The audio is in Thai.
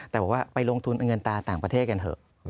แต่บอกว่าไปลงทุนเงินตาต่างประเทศกันเถอะ